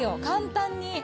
簡単に。